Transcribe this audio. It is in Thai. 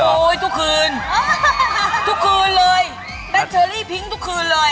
ทุกคืนทุกคืนเลยแม่เชอรี่ทิ้งทุกคืนเลย